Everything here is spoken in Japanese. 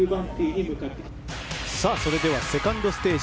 それではセカンドステージ